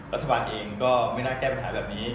รัฐบาลเองก็ไม่น่าแก้ปัญหาแบบนี้